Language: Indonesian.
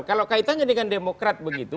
kalau kaitannya dengan demokrat begitu